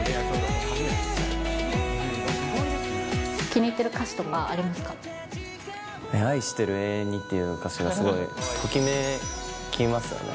気に入っている歌詞とかあり愛してる永遠にっていう歌詞がすごい、ときめきますよね。